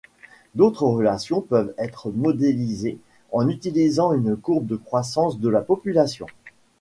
D'autres relations peuvent être modélisées en utilisant une courbe de croissance de la population.